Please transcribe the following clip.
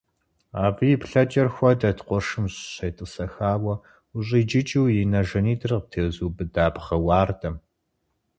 Абы и плъэкӀэр хуэдэт къуршым щетӀысэхауэ ущӀиджыкӀыу и нэ жанитӀыр къыптезубыда бгъэ уардэм.